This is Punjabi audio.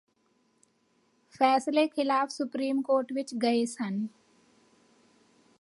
ਫੈਸਲੇ ਖਿਲਾਫ ਸੁਪਰੀਮ ਕੋਰਟ ਵਿਚ ਗਏ ਹਨ